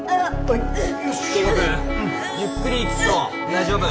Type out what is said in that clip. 大丈夫。